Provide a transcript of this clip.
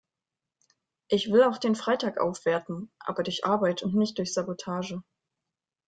Ich will auch den Freitag aufwerten, aber durch Arbeit und nicht durch Sabotage.